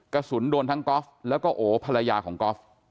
กระสุนโดนทั้งก๊อฟแล้วก็โอภรรยาของกอล์ฟ